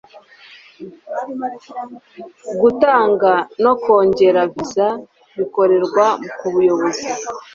gutanga no kongera viza bikorerwa ku buyobozi